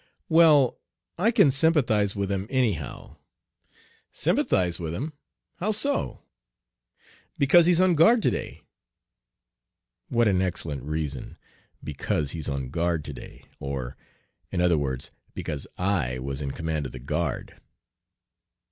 "Well, I can sympathize with him anyhow." "Sympathize with him! How so?" "Because he's on guard to day." What an excellent reason! "Because he's on guard to day," or, in other words, because I was in command of the guard.